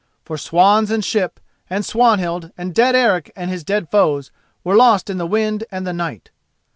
For swans and ship, and Swanhild, and dead Eric and his dead foes, were lost in the wind and the night.